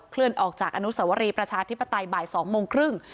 เลื่อนออกจากอนุสวรีประชาธิปไตยบ่าย๒โมงครึ่ง